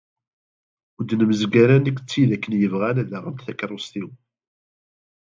Ur d-nemzeg ara nekk d tid akken yebɣan ad aɣent takerrust-iw.